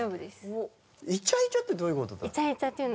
イチャイチャってどういうことだろう？